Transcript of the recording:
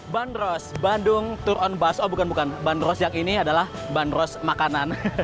bandros bandung turon bas oh bukan bukan bandros yang ini adalah bandros makanan